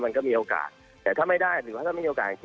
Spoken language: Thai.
มันก็มีโอกาสแต่ถ้าไม่ได้หรือว่าถ้าไม่มีโอกาสอีกที